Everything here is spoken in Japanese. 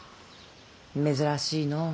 珍しいの。